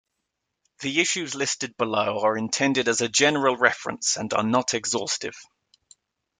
The issues listed below are intended as a general reference and are not exhaustive.